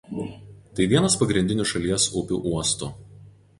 Tai vienas pagrindinių šalies upių uostų.